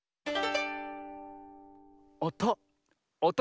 おと。